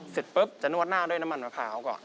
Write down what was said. เสร็จปุ๊บจะนวดหน้าด้วยน้ำมันมะพร้าวก่อน